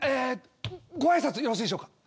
ご挨拶よろしいでしょうか。